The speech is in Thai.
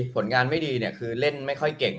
ผลงานไม่ดีคือเล่นไม่ค่อยเก่ง